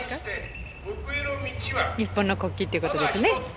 ・日本の国旗ってことですね